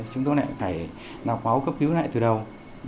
chúng tôi lại phải lọc máu cấp cứu lại từ đầu